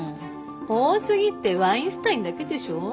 多すぎってワインスタインだけでしょ？